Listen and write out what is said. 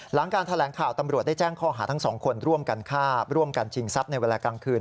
หลังการแถลงข่าวตำรวจได้แจ้งข้อหาทั้งสองคนร่วมกันฆ่าร่วมกันชิงทรัพย์ในเวลากลางคืน